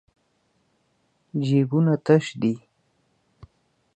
جېبونه تش دي.